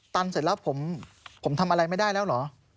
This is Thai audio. เสร็จแล้วผมทำอะไรไม่ได้แล้วเหรอ